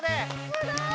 すごい！